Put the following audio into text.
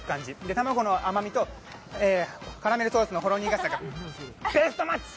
卵の甘みとカラメルソースがほろ苦さがベストマッチ！